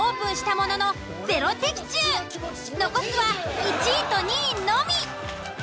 残すは１位と２位のみ。